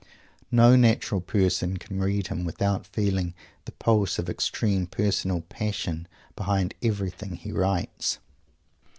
No natural person can read him without feeling the pulse of extreme personal passion behind everything he writes.